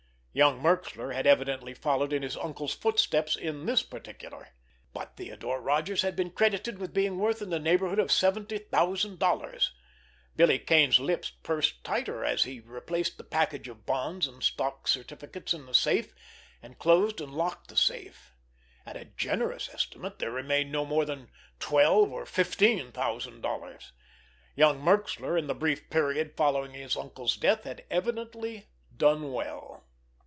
Young Merxler had evidently followed in his uncle's footsteps in this particular! But Theodore Rodgers had been credited with being worth in the neighborhood of seventy thousand dollars! Billy Kane's lips pursed tighter, as he replaced the package of bonds and stock certificates in the safe, and closed and locked the safe door. At a generous estimate there remained no more than twelve or fifteen thousand dollars. Young Merxler, in the brief period following his uncle's death, had evidently done well!